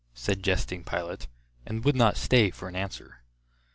said jesting Pilate, and would not stay for an answer.